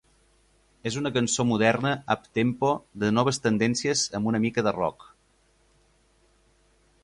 És una cançó moderna up-tempo de noves tendències amb una mica de rock.